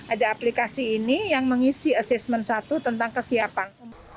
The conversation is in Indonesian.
ada aplikasi ini yang mengisi assessment satu tentang kesiapan